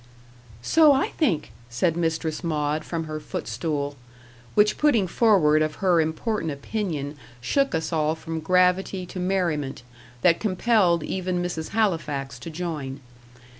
"So I think," said Mistress Maud, from her footstool; which putting forward of her important opinion shook us all from gravity to merriment, that compelled even Mrs. Halifax to join.